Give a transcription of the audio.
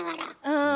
うん。